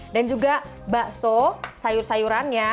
dan juga bakso sayur sayurannya